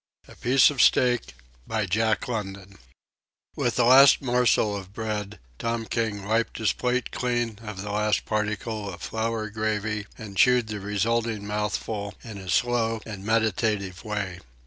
] A PIECE OF STEAK With the last morsel of bread Tom King wiped his plate clean of the last particle of flour gravy and chewed the resulting mouthful in a slow and meditative way.